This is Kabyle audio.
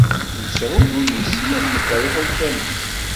Mesεud ur yessin ad yeffer iḥulfan-is.